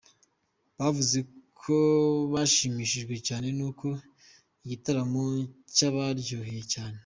Bavuze ko bashimishijwe cyane n’uko igitaramo cyabaryoheye cyane.